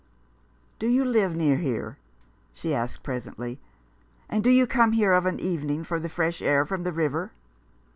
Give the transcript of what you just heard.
" Do you live near here ?" she asked presently, "and do you come here of an evening for the fresh air from the river